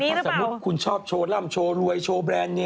ถ้าสมมุติคุณชอบโชว์ร่ำโชว์รวยโชว์แบรนด์เนม